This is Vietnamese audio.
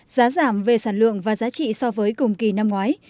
giá giảm về sản lượng và giá trị so với cùng kỳ năm ngoái